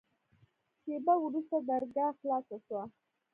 شېبه وروسته درګاه خلاصه سوه.